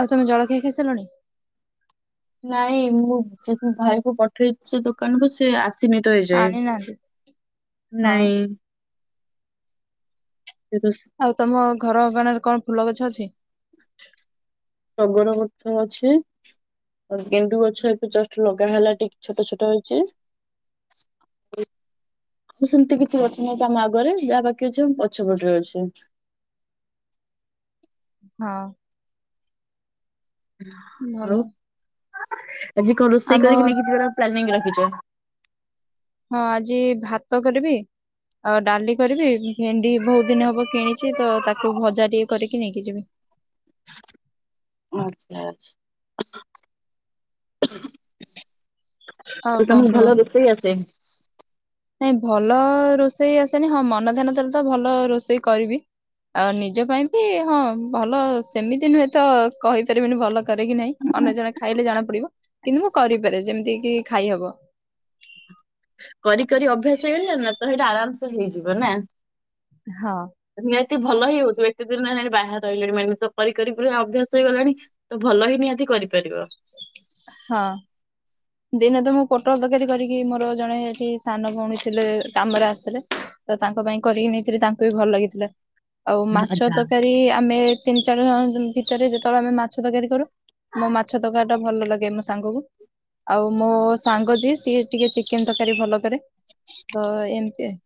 ଆଉ ତମେ ଜଳଖିଆ ଖାଇସାରିଲଣି? ନାଇଁ ମୁଁ ସେ ଭାଇ କୁ ପଠେଇଚି ଯେ ଦୋକାନକୁ ସେ ଆସିନି ତ ଏଯାଏଁ ଆଣି ନାହାନ୍ତି ହଁ ନାଇଁ ସେ ତ ଆଉ ତମ ଘର ଅଗାଣରେ କଣ ଫୁଲ ଗଛ ଅଛି? ଟଗର ଗଛ ଅଛି। ଆଉ ଗେଣ୍ଡୁ ଗଛ ଏବେ ଜଷ୍ଟ ଲଗା ହେଲା ଟିକ୍ ଛୋଟ ଛୋଟ ହେଇଛି। [inaudible] ଆଉ ସେମିତି କିଛି ଅଛି ନାହିଁ ତ ଆମ ଆଗରେ ଯାହା ବାକି ଅଛି ଆମ ପଛ ପଟରେ ଅଛି। ହଁ। ଭଲ ଆଉ ଆଜି କଣ ଆମ ରୋଷେଇ କରିକି ହଁ ନେଇକି ଯିବାର ପ୍ଲାନିଂ ରଖିଚ? ହଁ ଆଜି ଭାତ କରିବି ଆଉ ଡାଲି କରିବି ଭେଣ୍ଡି ବହୁତ ଦିନ ହବ କିଣିଛି ତ ତାକୁ ଭଜା ଟିକେ କରିକି ନେଇକି ଯିବି। ଆଚ୍ଛା ଆ ଆଉ କଣ ତମୁକୁ କୁହ? ଭଲ ରୋଷେଇ ଆସେ? ନାଇଁ ଭଲ ରୋଷେଇ ଆସେନି ହଁ ମନ ଧ୍ୟାନ ଦେଲେ ତ ଭଲ ରୋଷେଇ କରିବି। ଆଉ ନିଜ ପାଇଁ ବି ହଁ ଭଲ ସେମିତି ନୁହେଁ ତ କହିପାରିବିନି ଭଲ କରେ କି ନାହିଁ। ଅନ୍ୟଜଣେ ଖାଇଲେ ଜଣାପଡିବ କିନ୍ତୁ ମୁଁ କରିପାରେ ଯେମତି କି ଖାଇହବ। କରି କରି ଅଭ୍ୟାସ ହେଇଗଲାଣି ନା ତ ହେଇଟା ଆରାମସେ ହେଇଯିବ ନା ହଁ। ନିହାତି ଭଲ ହି ହଉଥିବ ଏତେ ଦିନ ହେଲାଣି ବାହାର ରହିଲେଣି ମାନେ ତ କରିି କରି ପୁରା ଅଭ୍ୟାସ ହେଇଗଲାଣି। ତ ଭଲ ହିଁ ନିହାତି କରିପାରିବ। ହଁ। ଦିନେ ତ ମୁଁ ପୋଟଳ ତରକାରୀ କରିକି ମୋର ଜଣେ ଏଠି ସାନ ଭଉଣୀ ଥିଲେ କାମରେ ଆସିଥିଲେ ତ ତାଙ୍କ ପାଇଁ କରିକି ନେଇଥିଲି ତାଙ୍କୁ ବି ଭଲ ଲାଗିଥିଲା ଆଉ ମାଛ ଆଚ୍ଛା, ତରକାରୀ ଆମେ ତିନି ଚାରିଜଣ ଭିତରେ ଯେତବଳେ ଆମେ ମାଛ ତରକାରୀ କରୁ ମୋ ମାଛ ତରକାରୀଟା ଭଲ ଲାଗେ ମୋ ସାଙ୍ଗକୁ। ଆଉ ମୋ ସାଙ୍ଗ ଯିଏ ସିଏ ଟିକେ ଚିକେନ ତରକାରୀ ଭଲ କରେ ତ ଏମତି।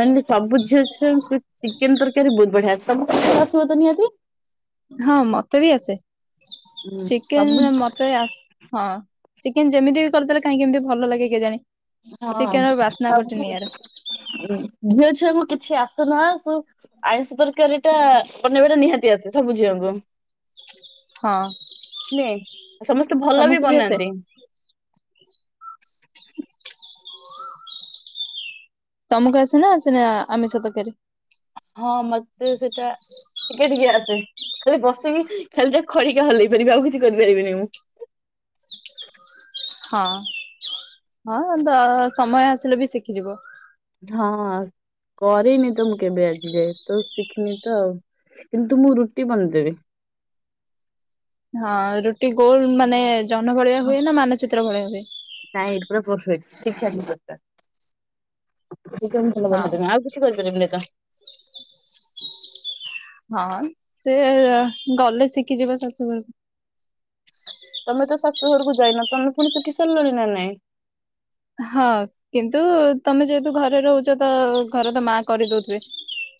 ସେନ୍ତି ସବୁ ଝିଅଛୁଆଙ୍କୁ ଚିକେନ ତରକାରୀ ବହୁତ ବଢିଆ [unintelligible] ଆସିବ ତ ନିହାତି। ହଁ ମତେ ବି ଆସେ ହୁଁ। ସବୁ ଚିକେନ ମତେ ଆସ ହଁ ଚିକେନ ଯେମିତି ବି କରିଦେଲେ କାହିଁକ ଏମତି ଭଲ ଲାଗେ କେଜାଣି। ହଁ ଚିକେନ ର ବାସ୍ନା ସବୁ ଗୋଟେ ନିଆରା। ହୁଁ ଝିଅ ଛୁଆଙ୍କୁ କିଛି ଆସୁ ନ ଆସୁ ଆଇଁଷ ତରକାରୀଟା ବନେଇବାଟା ନିହାତି ଆସେ ସବୁ ଝିଅଙ୍କୁ। ହଁ। ନେ ସମସ୍ତେ ଭଲ ବି ତମକୁ ଆସେ ବନାନ୍ତି। ତମକୁ ଆସେ ନା ଆସେନି ଆ ଆମିଷ ତରକାରୀ? ହଁ ମତେ ସେଇଟା ଟିକେ ଟିକେ ଆସେ ଖାଲି ବସିକି ଖାଲି ଟିକେ ଖଡିକା ହଲେଇ ପାରିବି ଆଉ କିଛି କରିପାରିବିନି ମୁଁ। ହଁ ହଁ ତ ସମୟ ଆସିଲେ ବି ଶିଖିଯିବ। ହଁ। କରିନି ତ ମୁଁ କେବେ ଆଜି ଯାଏ ତ ଶିଖିନି ତ ଆଉ କିନ୍ତୁ ମୁଁ ରୁଟି ବନେଇଦେବି। ହଁ ରୁଟି ଗୋଲ ମାନେ ଜହ୍ନ ଭଳିଆ ହୁଏ ନା ମାନଚିତ୍ର ଭଳିଆ ହୁଏ? ନାଇଁ ପୁରା ପରଫେକ୍ଟ ଠିକ୍ ଠାକ୍ [unintelligible] କିଛି ହଁ କରିପାରିବିନି ତ ହଁ ସିଏ ଗଲେ ଶିଖିଯିବ ଶାଶୁଘରକୁ। ତମେ ତ ଶାଶୁଘରୁକୁ ଯାଇନ ତମେ ପୁଣି ଶଖି ସାରିଲଣି ନା ନାଇଁ। ହଁ କିନ୍ତୁ ତମେ ଯେହେତୁ ଘରେ ରହୁଚ ତ ଘରେ ତ ମା କରିଦଉଥିବେ।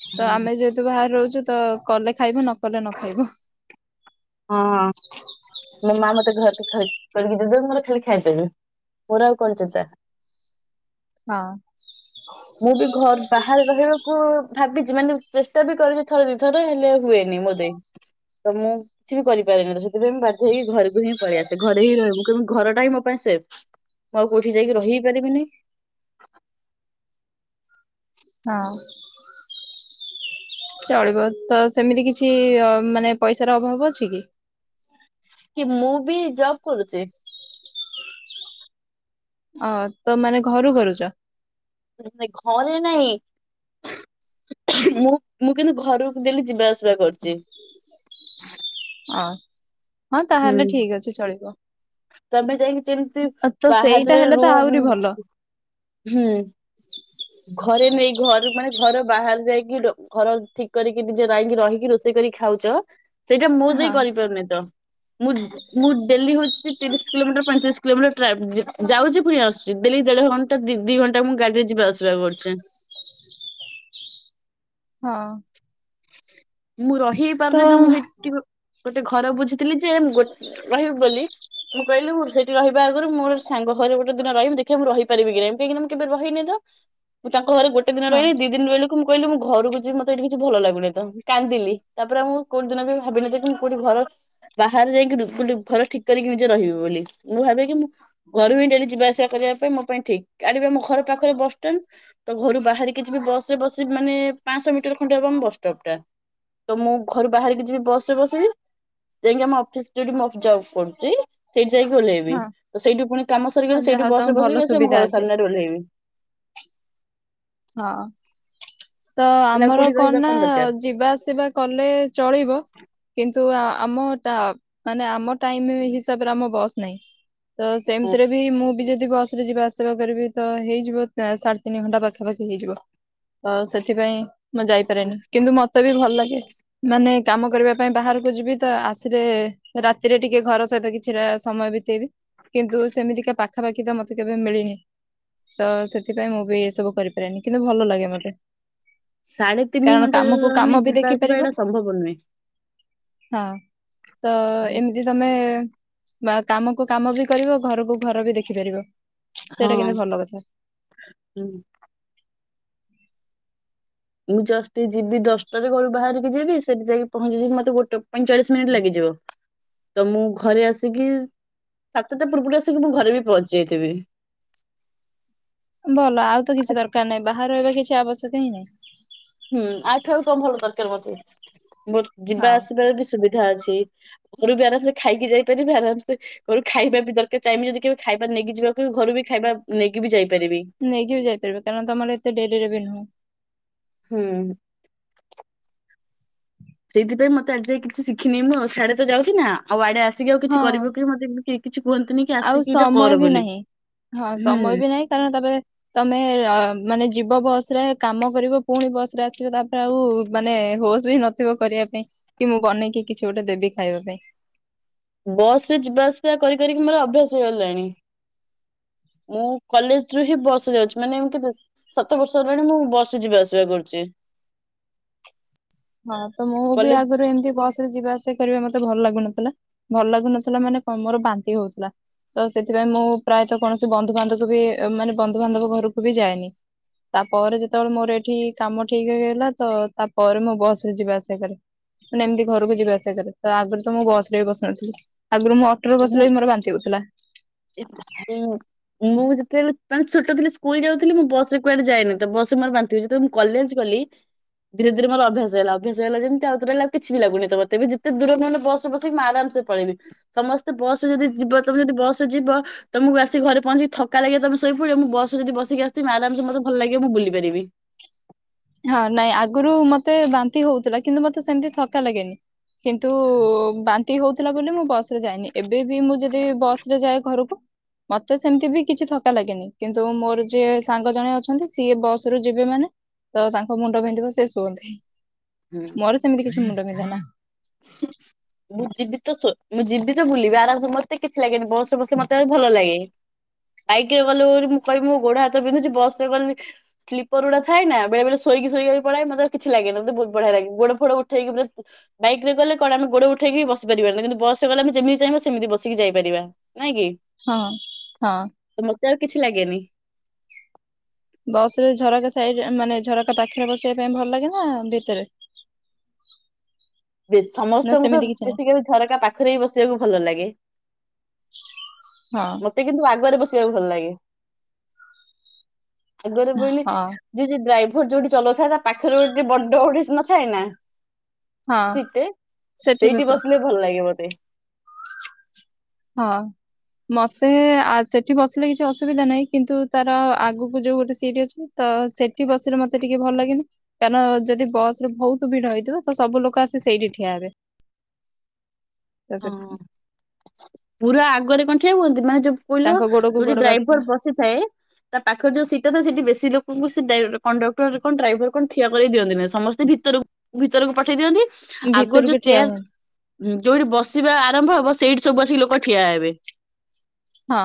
ତ ଆମେ ଯେହେତୁ ବାହାରେ ରହୁଚୁ ତ କଲେ ଖାଇବୁ ନ କଲେ ନ ଖାଇବୁ। ହଁ। ମୋ ମା ମତେ ଘରକେ ଖାଇ କରିକି ଦେବେ ମୋର ଖାଲି ଖାଇ ଚାଲିବି ମୋର ଆଉ କଣ ଚିନ୍ତା। ହଁ। ମୁଁ ବି ଘର ବାହାରେ ରହିବାକୁ ଭାବିଚି ମାନେ ଚେଷ୍ଟା ବି କରିଚି ଥରେ ଦିଥର ହେଲେ ହୁଏନି ମୋ ତେ ତ ମୁଁ କିଛି ବି କରିପାରେନି ତ ସେଥିପାଇଁ ମୁଁ ବାଧ୍ୟ ହେଇକି ଘରକୁ ହିଁ ପଳେଇ ଆସେ ଘରେ ହିଁ ରହିବି ମୁଁ କହିବି ଘରଟା ହିଁ ମୋ ପାଇଁ ସେଭ୍। ମୁଁ ଆଉ କୋଉଠି ଯାଇକି ରହି ହିଁ ପାରିବିନି। ହଁ। ଚଳିବ ତ ସେମିତି କିଛି ମାନେ ପଇସାର ଅଭାବ ଅଛି କି? କି ମୁଁ ବି ଜବ୍ କରୁଚି। ଅ ତ ମାନେ ଘରୁ କରୁଚ। ନା ନାଇ ଘରେ ନାହିଁ। ମୁଁ ମୁଁ କିନ୍ତୁ ଘରକୁ ଡେଲି ଯିବା ଆସିବା କରୁଚି। ଅ ହଁ ହୁଁ। ତାହେଲେ ଠିକ୍ ଅଛି ଚଳିବ। ତମେ ଯାଇକି ଯେମିତି ତ ସେଇଟା ବାହରେ ହେଲେ ରହୁ ତ ଆହୁରି ଭଲ ହୁଁ ଘରେ ନେଇ ଘ ମାନେ ଘର ବାହାରେ ଯାଇକି ଘର ଠିକ କରିକି ନିଜେ ଯାଇକି ରହିକି ରୋଷେଇ କରି ଖାଉଛ। ଚ ସେଇଟା ମୋ ଦେଇ ହଁ। କରିପାରୁନି ତ ମୁଁ ମୁଁ ଡେଲି ହଉଛି ତିରିଶ କିଲୋମିଟର ପଇଁତିରିଶ କିଲୋମିଟର ଟ୍ରା ଯାଉଛି ପୁଣି ଆସୁଛି ଡେଲି ଦେଢ଼ ଘଣ୍ଟା। ଦି ଦି ଘଣ୍ଟା ମୁଁ ଗାଡିରେ ଯିବା ଆସିବା କରୁଛି। ହଁ। ମୁଁ ରହି ହେଇ ପାରୁନି ତ ମୁଁ ସେଇଠି ଗୋଟେ ଘର ବୁଝିଥିଲି ଯେ ଗୋ ରହିବି ବୋଲି। ମୁଁ କହିଲି ସେଠି ରହିବା ଆଗରୁ ମୋ ସାଙ୍ଗ ଘରେ ଗୋଟେ ଦିନ ରିହିବି ଦେଖିବା ମୁଁ ରହିପାରିବି କି ନାହି କାହିଁକିନା ମୁଁ କେବେ ରହିନି ତ। ମୁଁ ତାଙ୍କ ଘରେ ଗୋଟେ ଦିନ ହଁ ରହିଲି ଦି ଦିନ ଵେଲୁକୁ ମୁଁ କହିଲି ମୁଁ ଘରକୁ ଯିବି ମତେ ଏଠ କିଛି ଭଲ ଲାଗୁନି ତ। କାନ୍ଦିଲି ତାପରେ ମୁଁ କୋଉଦିନ ବି ଭାବିନି କି ମୁଁ କୋଉଠି ଘର ବାହାରେ ଯାଇକି ଘର ଠିକ କରିକି ନିଜେ ରହିବି ବୋଲି ମୁଁ ଭାବେକି ମୁଁ ଘରୁ ହିଁ ଡେଲି ଯିବା ଆସିବା କରିବା ପାଇଁ ମୋ ପାଇଁ ଠିକ କାହିଁକି ନା ମୋ ଘର ପାଖରେ ବସଷ୍ଟାଣ୍ଡ। ତ ଘରୁ ବାହାରି କିଛି ବି ବସ ରେ ବସି ମାନେ ପାଞ୍ଚଶହ ମିଟର ଖଣ୍ଡେ ହେବ ବସ ଷ୍ଟପ ଟା। ତ ମୁଁ ଘରୁ ବାହାରିକି ଯିବି ବସରେ ବସିବି ଯାଇକ ଆମ ଅଫିସ ଯେଉଁଠି ମୁ ଯବ କରୁଛି। ସେଇଠି ଯାଇକି ଓହ୍ଲାଇବି ସେଇଠୁ ପୁଣି କାମ ହଁ ସରିଗଲେ ସେଇଠୁ ଯାହା ତମ ବସରେ ଭଲ ବସିବି ସେ ଆମ ସୁବିଧା ଘର ଅଛି ସାମନାରେ ଓହ୍ଲେଇବି। ହଁ ତ ତାହେଲେ ଆଉ ଆମର କୋଉଠି ରହିବା କଣ ନା ଦରକାର ଯିବା ଆସିବା କଲେ ଚଳିବ। କିନ୍ତୁ ଆମ ମାନେ ଆମ ଟାଇମ ହିସାବରେ ଆମ ବସ୍ ନାହିଁ। ତ ସେମିତିରେ ବି ମୁଁ ବି ଯଦି ବସ ଯିବା ଆସିବା କରିବି ତ ହେଇଯିବ ସାଢ଼େ ତିନି ଘଣ୍ଟା ପାଖାପାଖି। ହେଇଯିବ ତ ସେଥିପାଇଁ ମୁଁ ଯାଇପାରେନି କିନ୍ତୁ ମତେ ବି ଭଲ ଲାଗେ ମାନେ କାମ କରିବା ପାଇଁ ବାହାରକୁ ଯିବି ତ ଆସିଲେ ରାତିରେ ଟିକେ ଘର ସହିତ କିଛିଟା ସମୟ ବିତେଇବି। କିନ୍ତୁ ସେମିତିକା ପାଖାପାଖି ତ ମତେ କେବେ ମିଳିନି ତ ସେଥିପାଇଁ ମୁଁ ବି ଏସବୁ କରିପି ପାରେନି କିନ୍ତୁ ଭଲ ଲାଗେ। ମତେ ସାଢେ ତିନି କାରଣ ଘଣ୍ଟା ଯୋଉ କାମକୁ ଜଣେ କାମ ବି ଯିବା ଆସିବା ଦେଖିପାରିବ। ଏଇଟା ସମ୍ଭବ ନୁହେଁ। ହଁ ତ ହୁଁ। ଏମିତି ଆ ତମେ ବା କାମକୁ କାମ ବି କରିବ ଘରକୁ ଘର ବି ଦେଖିପାରିବ। ସେଇଟା ହଁ କିନ୍ତୁ ଭଲ କଥା। ହୁଁ। ମୁଁ ଜଷ୍ଟ ଯିବି ଦଶଟାରେ ଘରୁ ବାହାରିକି ଯିବି ସେଠି ଯାଇକି ପହଞ୍ଚିଯିବି ମତେ ଗୋଟେ ପଇଁଚାଳିଶ ମିନିଟ୍ ଲାଗଯିବ। ତ ମୁଁ ଘରେ ଆସିକି ସାତଟା ପୂର୍ବରୁ ଆସିକି ମୁଁ ଘରେ ବି ପହଞ୍ଚି ଯାଇଥିବି। ଭଲ ଆଉ ତ ଆ- କିଛି ଦରକାର ନାହିଁ ବାହାର ରହିବା କିଛି ଆବଶ୍ୟକ ହିଁ ନାହିଁ। ହୁଁ ଆଉଠୁ ଆଉ କଣ ଭଲ ଦରକାର ମତେ ମୋର ଯିବା ହଁ। ଆସିବାର ବି ସୁବିଧା ଅଛି। ଘୋରୁ ବି ଆରାମସେ ଖାଇକି ଯାଇପାରିବି ଆରାମସେ ଘରୁ ଖାଇବା ବି ଦରକାର ଚାହିଁବି ଯଦି କେବେ ଖାଇବା ନେଇକି ଯିବା କେ ଘରୁ ବି ଖାଇବା ନେଇକି ବି ଯାଇପାରିବି। ନେଇକି ବି ଯାଇପାରିବ କାରଣ ତମର ଏତେ ଡେରିରେ ବି ନୁହଁ। ହୁଁ। ସେଇଥିପାଇଁ ମତେ ଆଜି ଯାଏ କିଛି ଶିଖିନି ମୁଁ ଆଉ ସିଆଡେ ତ ଯାଉଛି ନା ଆଉ ଆଡେ ଆସିକି ଆଉ ହଁ କିଛି କରିବ କି ମତେତି ଆଉ ସମୟ ବି ନାହିଁ ହଁ ସମୟ ହୁଁ ବି ନାହିଁ କାରଣ ତାପରେ ତମେ ମାନେ ଯିବ ବସରେ କାମ କରିବ ପୁଣି ବସରେ ଆସିବ ତା ଆଉ ମାନେ ହୋସ ବି ନଥିବ କରିବା ପାଇଁ କି ମୁଁ ବନେଇକି କିଛି ଗୋଟେ ଦେବି ଖାଇବା ପାଇଁ। ବସ ରେ ଯିବା ଆସିବା କରି କରିକି ମୋର ଅଭ୍ୟାସ ହେଇଗଲାଣି। ମୁଁ କଲେଜ ରୁ ହିଁ ବସ ରେ ଯାଉଛି ମାନେ ଏମିତି ସାତ ବର୍ଷ ହେଲାଣି ମୁଁ ବସ ରେ ଯିବା ଆସିବା କରୁଛି। ହଁ ତ ମୁଁ ବି କଲେଜ ଆଗରୁ ଏମତି ବସ ରେ ଯିବା ଆସିବା କରିବା ମତେ ଭଲ ଲାଗୁନଥିଲା ଭଲ ଲାଗୁନଥିଲା ମାନେ କଣ ମୋର ବାନ୍ତି ହଉଥିଲା। ତ ସେଥିପାଇଁ ମୁଁ ପ୍ରାୟତଃ କୌଣସି ବନ୍ଧୁବାନ୍ଧବ ବି ମାନେ ବନ୍ଧୁବାନ୍ଧବ ଘରକୁ ବି ଯାଏନି। ତାପରେ ଯେତେବେଳେ ମୋର ଏଠି କାମ ଠିକ ହେଇଗଲା ତ ତାପରେ ମୁଁ ବସ ଯିବା ଆସିବା କରେ। ମାନେ ଏମିତି ଘରକୁ ଯିବା ଆସିବା କରେ, ତ ଆଗରୁ ତ ମୁଁ ବସ ରେ ବି ବସୁନଥିଲି ଆଗରୁ ମୁଁ ବସିଲେ ବି ମୋର ବାନ୍ତି ହେଉଥିଲା। ହୁଁ। ମୁଁ ଯେତେବେଳେ ମାନେ ଛୋଟ ଥିଲି ସ୍କୁଲ ଯାଉଥିଲି ମୁଁ ବସ ରେ କୁଆଡେ ଯାଏନି ତ ବସ ମୋର ବାନ୍ତି ଯେତେବେଳେ ମୁଁ କଲେଜ ଗଲି ଧିରେ ଧିରେ ମୋର ଅଭ୍ୟାସ ହେଲା ଅଭ୍ୟାସ ହେଲା ଯେମିତି ଆଉ ଟୋଟାଲ କିଛି ବି ଲାଗୁନି ତ ମତେ ବି ଯେତେ ଦୂରକୁ ମାନେ ବସ୍ ରେ ବିସକି ମୁଁ ଆରାମସେ ପଳେଇବି ସମସ୍ତେ ବସ ରେ ଯଦି ଯିବ ତମେ ଯଦି ବସରେ ଯିବ ତମକୁ ଆସି ଘରେ ପହଁଚିକି ଥକା ଲାଗିବ ତମେ ସୋଇପଡିବ ମୁଁ ବସରେ ଯଦି ବସି ଆସିଥିମି ଆରାମସେ ମତେ ଭଲ ଲାଗିବ ମୁଁ ବୁଲି ପାରିବି। ହଁ ନାଇଁ ଆଗରୁ ମତେ ବାନ୍ତି ହଉଥିଲା କିନ୍ତୁ ମତେ ସେମିତି ଥକା ଲାଗେନି। କିନ୍ତୁ ବାନ୍ତି ହଉଥିଲା ବୋଲି ମୁଁ ବସ ରେ ଯାଏନି। ଏବେ ବି ମୁଁ ଯଦି ବସ ରେ ଯାଏ ଘରକୁ ମତେ ସେମିତି ବି କିଛି ଥକା ଲାଗେନି କିନ୍ତୁ ମୋର ଯିଏ ସାଙ୍ଗ ଜଣେ ଅଛନ୍ତି ସିଏ ବସ ରୁ ଯିବେ ମାନେ ତ ତାଙ୍କ ମୁଣ୍ଡ ପିନ୍ଧିବ ସେ ଶୁଅନ୍ତି ହୁଁ ମୋର ସେମିତି କିଛି ମୁଣ୍ଡ ବିନ୍ଧେ ନା। [inaudible] ମୁଁ ଯିବି ତ ଶୋ ମୁଁ ଯିବି ତ ବୁଲିବି ଆରାମସେ ମତେ କିଛି ଲାଗେନି ବସ ରେ ବସିଲେ ମତେ ଭଲ ଲାଗେ। ବାଇକରେ ଗଲେ ବୋଲି ମୁଁ କହିବି ମୋ ଗୋଡ ହାତ ବିନ୍ଧୁଛି ବସରେେ ଗଲେ ସ୍ଲିପର ଗୁଡାର ଥାଏ ନା ବେଳେ ବଳେ ଶୋଇ ଶୋଇକି ପଳାଏ ମତେ କିଛି ଲାଗନି ମୋତେ ବହୁତ ବଢିଆ ଲାଗେ ଗୋଡ ପୋଡ ଉଠେଇକି ପୁ ବାଇକରେ ଗଲେ କଣ ଆମେ ଗୋଡ ଉଠେଇକି ବସି ପାରିବାନି କିନ୍ତୁ ବସରେ ଗଲେ ଆମେ ଯେମିତି ଚାହିଁବା ସେମିତି ବସିକି ଯାଇପାରିବା। ନାଇଁ କି? ହଁ ହଁ। ତ ମତେ ଆଉ କିଛି ଲାଗେନି। ବସ ରେ ଝରକା ସାଇଡ ମାନେ ଝରକା ପାଖରେ ବସିବା ପାଇଁ ଭଲ ଲାଗେ ନା ଭିତରେ [inaudible] ନା ସମସ୍ତଙ୍କୁ ତ ସେମିତି କିଛି ନାହିଁ ବେଶିକାଲି ଝରକା ପାଖରେ ହିଁ ବସିବାକୁ ଭଲ ଲାଗେ। ହଁ। ଟିକେ କିନ୍ତୁ ଆଗରେ ବସିବାକୁ ଭଲ ଲାଗେ, ଆଗରେ ବଇଲେ ହଁ ଯୋଉ ଯୋଉ ଡ୍ରାଇଭର ଯୋଉଠି ଚଲଉଥାଏ ତା ପାଖରେ ଗୋଟେ ବଡ ଗୋଟେ ନଥାଏ ନା ହଁ ସିଟଟେ ସେଠି ସେଇଠି ବସ ବସିଲେ ଭଲ ଲାଗେ ମତେ। ହଁ ମତେ ଆ ସେ ସେଠି ବସିଲେ କିଛି ଅସୁବିଧା ନାହିଁ କିନ୍ତୁ ତାର ଆଗକୁ ଯୋଉ ଗୋଟେ ସିଟ ଅଛି ତ ସେ ଠି ବସିଲ ମତେ ଟିକେ ଭଲ ଲାଗେନି। କାରଣ ଯଦି ବସରେ ବହୁତ ଭିଡ ହେଇଥିବ ତ ସବୁ ଲୋକ ଆସି ସେଇଠି ଠିଆ ହେବେ। [inaudible] ହଁ ପୁରା ଆଗରେ କଣ ଠିଆ ହୁହନ୍ତି ମାନେ ଯୋଉ କହିଲ ତାଙ୍କ ଗୋଡକୁ ଯୋଉଠି ଗୋଡ ବାଜୁଥିବ ଡ୍ରାଇଭର ବସି ସି ଥାଏ। ତା ପାଖରେ ଯୋଉ ସିଟା ଥାଏ ସେଠି ବେଶୀ ଲୋକଙ୍କୁ ସେ କଣ୍ଡକ୍ଟର କଣ ଡ୍ରାଇଭର କଣ ଠିଆ କରଇ ଦିଅନ୍ତି ନାହି ସମସ୍ତେ ଭିତରକୁ ଭିତରକୁ ପଠେଇ ଦିଅନ୍ତି ଆଗରୁ ଭିତରକୁ ଯୋଉ ଠିଆ ଚେୟାର ହୁଅନ୍ତି ହୁଁ ଯୋଉଠି ବସିବା ଆରମ୍ଭ ହବ ସେଇଠି ସବୁ ଆସିକି ଲୋକ ଠିଆ ହେବେ। ହଁ।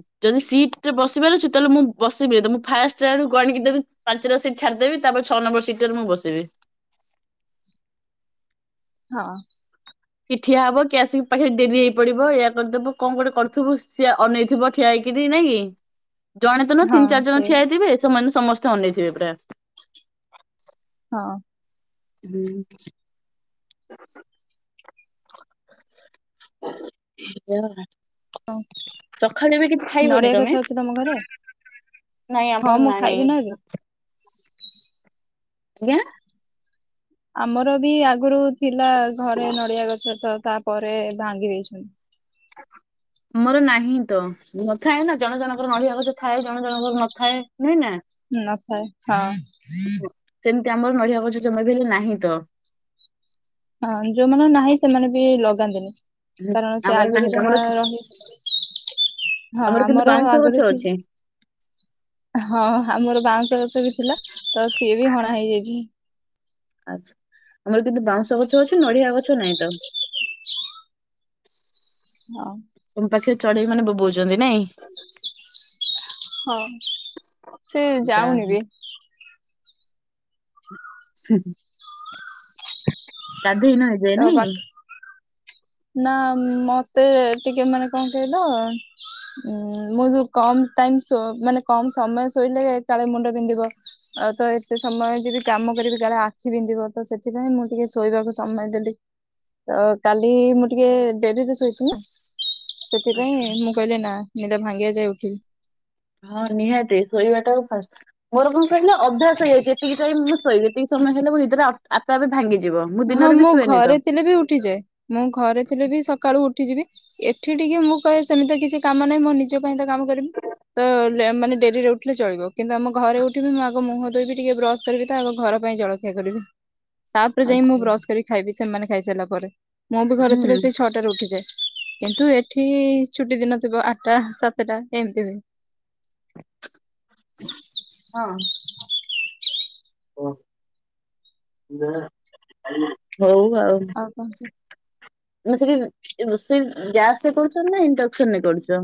ଉଁ ଯଦି ସିଟ୍ ରେ ବସି ପାରୁଛି ତାହେଲେ ମୁଁ ବସିବି ଏବେ ମୁଁ ଫାଷ୍ଟ୍ ଆଡୁ ଗଣିକି ଦେବି ପାଞ୍ଚଟା ସିଟ୍ ଛାଡିଦେବି ତାପରେ ଛଅ ନମ୍ବର ସିଟ୍ ରେ ମୁଁ ବସିବି। ହଁ। କିଏ ଠିଆ ହବ କିଏ ଆସିକି ପାଖରେ ଡେରି ହେଇ ପଡିବ ଏୟା କରିଦବ କଣ ଗୋଟେ କରୁଥିବ ସିଏ ଅନେଇଥିବ ଠିଆ ହେଇକିରି ନାଇଁ କି? [inaudible] ଜଣେ ତ ନୁହଁ ତିନି ହଁ ଚାରି ଜଣ ସେ ଠିଆ ହେଇଥିବେ ସେମାନେ ସମସ୍ତେ ଅନେଇଥିବେ ପୁରା ହଁ। ହୁଁ। [unintelligible] କଣ ହେଲା? ସକାଳେ ବି କିଛି ଖାଇବନି ନଡିଆ ଗଛ ତମେ? ଅଛି ତମ ଘରେ ନାଇଁ ହଁ ଆମର ମୁଁ ନାହିଁ। ଖାଇବି ନା ଏବେ ଆଜ୍ଞା। ଆମର ବି ଆଗୁରୁ ଥିଲା ଘରେ ନଡିଆ ଗଛ ତ ତାପରେ ଭାଙ୍ଗି ଦେଇଛନ୍ ଆଉ କଁ? ମୋର ନାହିଁ ତ ନଥାଏ ନା ଜଣେ ଜଣଙ୍କର ନଡିଆ ଗଛ ଥାଏ ଜଣେ ଜଣଙ୍କର ନଥାଏ ନୁହେଁ ନାଁ? ନଥାଏ ହଁ। ସେମିତି ଆମର ନଡିଆ ଗଛ ଜମା ବି ହେଲେ ନାହିଁ ତ। ହଁ ଯୋଉ ମାନଙ୍କର ନାହିଁ ସେମାନେ ବି ଲଗାନ୍ତିନି। କାରଣ ସେ ଆମର ଆଗୁରୁ ନାହିଁ ତ ଆମର ଯାହା ରହିଛି ହଁ କିନ୍ତୁ ଆମର ବାଉଁଶ ଗଛ ଆଗୁରୁ ଥି ଅଛି। ହଁ ଆମର ବାଉଁଶ ଗଛ ବି ଥିଲା ତ ସିଏ ବି ହଣା ହେଇଯାଇଛି। ଆଛା ଆମର କିନ୍ତୁ ବାଉଁଶ ଗଛ ଅଛି ନଡିଆ ଗଛ ନାହିଁ ତ। ହଁ। ତମ ପାଖରେ ଚଢେଇ ମାନେ ବୋବଉଛନ୍ତି ନାଇଁ? ହଁ ସେ ଯାଉନି ବେ। ସେ ହୁଁ। ଗାଧେଇନ ଏଯାଏଁ ନାଇଁ? ନାଁ ମତେ ଟିକେ ମାନେ କଣ କହିଲ ଉଁ ମୁଁ ଯୋଉ କମ୍ ଟାଇମ୍ ଶୋ ମାନେ କମ୍ ସମୟ ଶୋଇଲେ କାଳେ ମୁଣ୍ଡ ବିନ୍ଧିବ ଆଉ ତ ଏତେ ସମୟ ଯିବି କାମ କରିବି କାଳେ ଆଖି ବିନ୍ଧିବ ତ ସେଥିପାଇଁ ମୁଁ ଟିକେ ଶୋଇବାକୁ ସମୟ ଦେଲି। ତ କାଲି ମୁଁ ଟିକେ ଡେରିରେ ଶୋଇଥିଲି ନାଁ ସେଥିପାଇଁ ମୁଁ କହିଲି ନାଁ ନିଦ ଭାଙ୍ଗିଆ ଯାଏ ଉଠିବି। ହଁ ନିହାତି ଶୋଇବା ଟା ଫାଷ୍ଟ୍। ମୋର କଣ ହଉଛି କହିଲ ଅଭ୍ୟାସ ହେଇଛି ଏତିକି ଟାଇମ୍ ମୁଁ ଶୋଇବି ଏତିକି ସମୟ ହେଲେ ମୋ ନିଦଟା ଅ ଆପେ ଆପେ ଭାଙ୍ଗିଯିବ। ମୁଁ ହଁ ଦିନରେ ବି ମୋ ଶୁଏନି ତ। ଘରେ ଥିଲେ ବି ଉଠିଯାଏ ମୁଁ ଘରେ ଥିଲେ ବି ସକାଳୁ ଉଠିଯିବି। ଏଠି ଟିକେ ମୁଁ କହେ ସେମିତିଆ କିଛି କାମ ନାହିଁ ମୁଁ ନିଜ ପାଇଁ ତ କାମ କରିବି। ତ ଲେ ମାନେ ଡେରିରେ ଉଠିଲେ ଚଳିବ କିନ୍ତୁ ଆମ ଘରେ ଉଠିବି ମୁଁ ଆଗ ମୁହଁ ଧୋଇବି ଟିକେ ବ୍ରସ୍ କରିବି ତ ଆଗ ଘର ପାଇଁ ଜଳ ଖିଆ କରିବି ତାପରେ ଯାଇଁ ମୁଁ ଆଚ୍ଛା। ବ୍ରସ୍ କରି ଖାଇବି ସେମାନେ ଖାଇସାରିଲା ପରେ। ମୁଁ ବି ଘରେ ହୁଁ ଥିଲେ ସେଇ ଛଅଟାରେ ଉଠିଯାଏ। କିନ୍ତୁ ଏଠି ଛୁଟି ଦିନ ଥିବ ଆଟା ସାତେଟା ଏମିତି ହୁଏ। ହଁ। ଓ [inaudible] ହଉ ଆଉ। ଆ ସେଠି ରୋଷେଇ ଗ୍ୟାସ ରେ କରୁଛ ନା ଇଣ୍ଡକ୍ସନ ରେ କରୁଛ?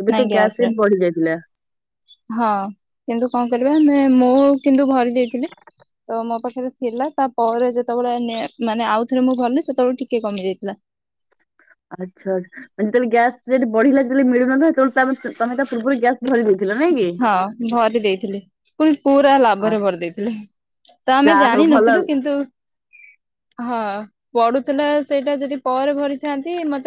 ଏବେ ତ ନାଇଁ ଗ୍ୟାସ ଗ୍ୟାସ୍ ରେ। ରେଟ୍ ବଢି ଯାଇଥିଲା ହଁ କିନ୍ତୁ କଣ କରିବା ଆମେ ମୁଁ କିନ୍ତୁ ଭରି ଦେଇଥିଲି। ତ ମୋ ପାଖରେ ଥିଲା ତାପରେ ଯେତେବେଳେ ମାନେ ଆଉ ଥରେ ମୁଁ ଗଲି ସେତେବେଳେ ଟିକେ କମି ଯାଇଥିଲା। ଆଚ୍ଛାା ଯେତେବେଳେ ଗ୍ୟାସ୍ ଯି ବଢିଲା ଯେତେବେଳେ ମିଳୁନ ତେବେ ତମେ ତା ପୂର୍ବ ଗ୍ୟା ଧରି ଦେଇଥିଲା ନାଇଁ। କି? ହଁ ଭରି ଦେଇଥିଲି ପ ପୁରା ଲାଭରେ ଆଚ୍ଛା ଭରି ଦେଇଥିଲି। ତ ଆମେ ଯାହା ହଉ ଭଲ ଜାଣିନଥିଲୁ କିନ୍ତୁ ହଁ ପଢୁଥିଲା ସେଇଟା ଯଦି ପରେ ଭରିଥାନ୍ତି ମତେ